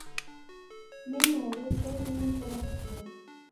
میں ہولے جئے انیں کولا پچھیا